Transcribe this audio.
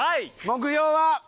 目標は？